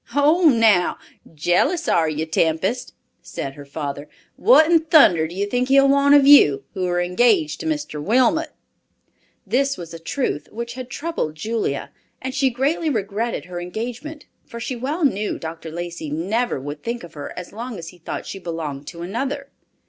"Ho now, jealous, are you, Tempest?" said her father. "What in thunder do you think he'll want of you, who are engaged to Mr. Wilmot?" This was a truth which had troubled Julia, and she greatly regretted her engagement, for she well knew Dr. Lacey never would think of her as long as he thought she belonged to another.